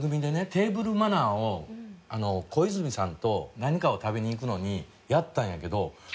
テーブルマナーを小泉さんと何かを食べに行くのにやったんやけど。